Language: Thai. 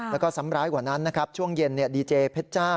แล้วก็ซ้ำร้ายกว่านั้นนะครับช่วงเย็นดีเจเพชรเจ้า